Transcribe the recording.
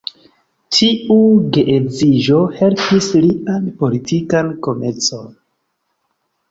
Tiu geedziĝo helpis lian politikan komencon.